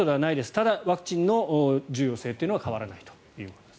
ただ、ワクチンの重要性というのは変わらないということです。